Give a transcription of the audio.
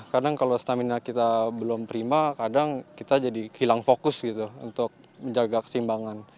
kadang kalau stamina kita belum prima kadang kita jadi hilang fokus gitu untuk menjaga kesimbangan